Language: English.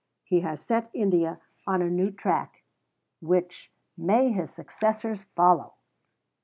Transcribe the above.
He has set India on a new track which may his successors follow!